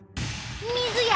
水や！